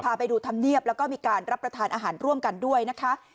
ไปดูธรรมเนียบแล้วก็มีการรับประทานอาหารร่วมกันด้วยนะคะ